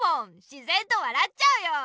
しぜんと笑っちゃうよ！